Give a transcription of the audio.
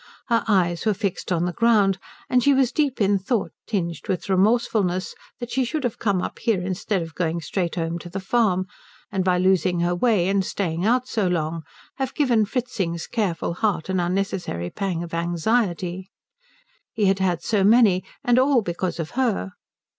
Her eyes were fixed on the ground, and she was deep in thought tinged with remorsefulness that she should have come up here instead of going straight home to the farm, and by losing her way and staying out so long have given Fritzing's careful heart an unnecessary pang of anxiety. He had had so many, and all because of her.